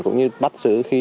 cũng như bắt giữ